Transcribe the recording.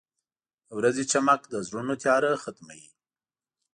• د ورځې چمک د زړونو تیاره ختموي.